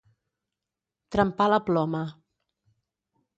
Trempar la ploma.